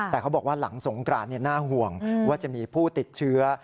แต่เขาบอกว่าหลังสงกรานน่าห่วงว่าจะมีผู้ติดเชื้อ